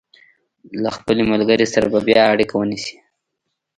له خپلې ملګرې سره به بیا اړیکه ونیسي.